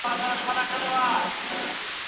دا ژوند د شکر په مټ ښکلی معلومېږي.